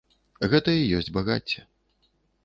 Гэта і ёсць багацце.